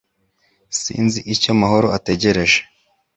Sinzi icyo Mahoro ategereje